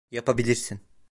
Yapabilirsin!